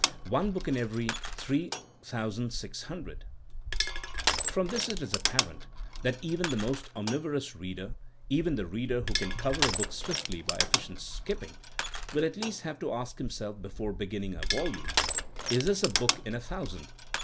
One book in every three thousand six hundred I (3,600 !) 228 THINKINO A8 A SOIENOE From this it is apparent that even the most omnivorous reader, even the reader who can cover a book swiftly by eflScient skipping, will at least have to ask himself before beginning a volume, Is this a book in a thousand?